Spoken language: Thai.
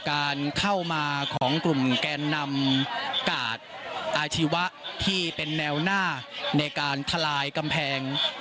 การเข้ามาของกลุ่มแกนนำกาดอาชีวะที่เป็นแนวหน้าในการทลายกำแพง